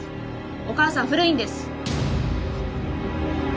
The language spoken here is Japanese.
お母さん古いんです